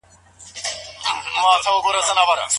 د خاوند د خوښۍ لپاره ميرمن څه کولای سي؟